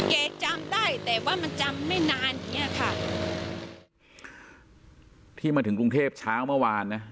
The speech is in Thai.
จำได้แต่ว่ามันจำไม่นานอย่างเงี้ยค่ะที่มาถึงกรุงเทพเช้าเมื่อวานนะ